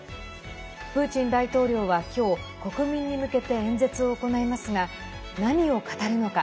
プーチン大統領は今日国民に向けて演説を行いますが何を語るのか。